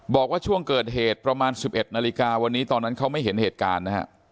บอกว่าช่วงเกิดเหตุประมาณ๑๑นาฬิกาวันนี้ตอนนั้นเขาไม่เห็นเหตุการณ์นะฮะ